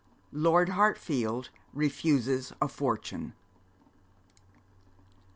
LORD HARTFIELD REFUSES A FORTUNE.